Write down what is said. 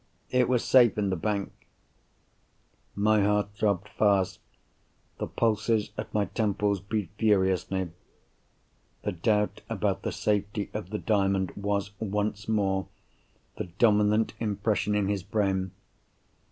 "It was safe in the bank." My heart throbbed fast; the pulses at my temples beat furiously. The doubt about the safety of the Diamond was, once more, the dominant impression in his brain!